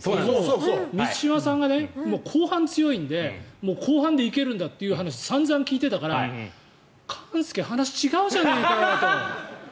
満島さんが後半強いので後半で行けるんだという話を散々聞いていたから勘介、話違うじゃねえかよと。